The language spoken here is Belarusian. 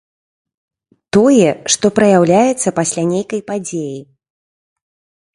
Тое, што праяўляецца пасля нейкай падзеі.